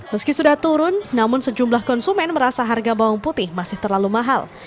meski sudah turun namun sejumlah konsumen merasa harga bawang putih masih terlalu mahal